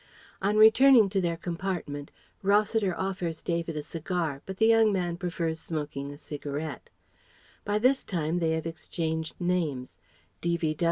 On returning to their compartment, Rossiter offers David a cigar but the young man prefers smoking a cigarette. By this time they have exchanged names. D.V.